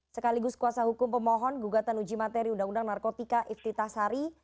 sekaligus kuasa hukum pemohon gugatan uji materi undang undang narkotika iftithah sari